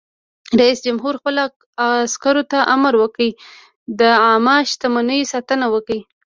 رئیس جمهور خپلو عسکرو ته امر وکړ؛ د عامه شتمنیو ساتنه وکړئ!